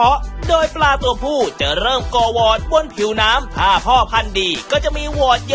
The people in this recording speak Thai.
แล้วยังจะกูจะเริ่มกว๊อดบนผิวน้ำห้าพ่อพันธุ์ดีก็จะมี